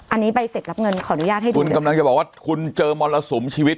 อันนี้ใบเสร็จรับเงินขออนุญาตให้ดูคุณกำลังจะบอกว่าคุณเจอมรสุมชีวิต